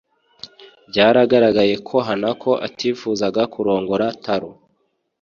Byaragaragaye ko Hanako atifuzaga kurongora Taro